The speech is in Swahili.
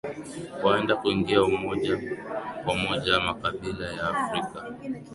waenda kuingia moja kwa moja makabila ya afrika